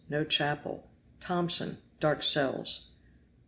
No chapel. Tomson. Dark cells.